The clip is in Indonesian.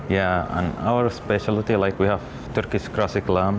dan spesialitas kita seperti kita punya kacang klasik turki